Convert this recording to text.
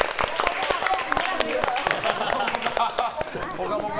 「ぽかぽか」